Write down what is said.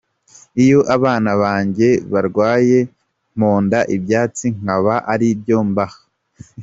Iyo abana banjye barwaye mponda ibyasi nkaba ari byo mbaha.